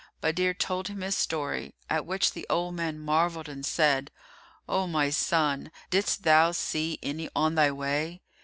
Badr told him his story; at which the old man marvelled and said, "O my son, didst thou see any on thy way?"